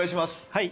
はい。